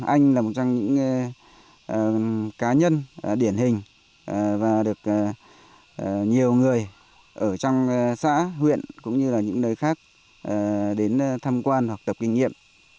anh là một trong những cá nhân điển hình và được nhiều người ở trong xã huyện cũng như là những nơi khác đến tham quan hoặc tập kinh nghiệm